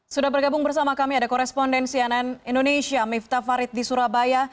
sudah bergabung bersama kami ada korespondensi ann indonesia miftah farid di surabaya